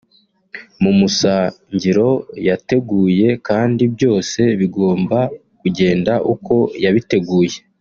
mu musangiro yateguye kandi byose bigomba kugenda uko yabiteguye